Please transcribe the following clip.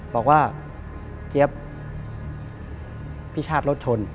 บอกว่าเจี๊ยบพี่ชาติรถชน